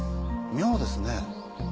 妙ですね。